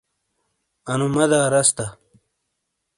انو مدح رس تا۔